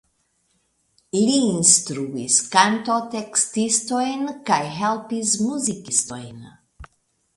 Li instruis kantotekstistojn kaj helpis muzikistojn.